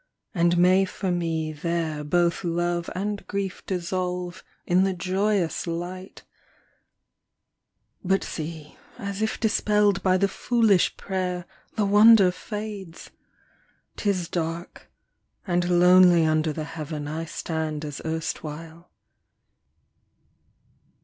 And may for me there Both love and grief dissolve in the joyous light ! But see, as if dispelled by the foolish prayer, The wonder fades ! 'Tis dark, and lonely Under the heaven I stand as erstwhile.